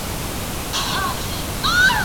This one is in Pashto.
زه به سبا سبزېجات خورم!؟